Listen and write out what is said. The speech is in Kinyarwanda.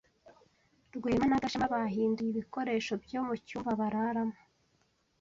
Rwema na Gashema bahinduye ibikoresho byo mu cyumba bararamo.